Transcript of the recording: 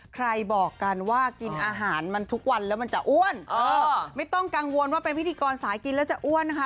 ใครบอกกันว่ากินอาหารมันทุกวันแล้วมันจะอ้วนเออไม่ต้องกังวลว่าเป็นพิธีกรสายกินแล้วจะอ้วนนะคะ